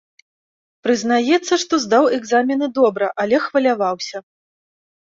Прызнаецца, што здаў экзамены добра, але хваляваўся.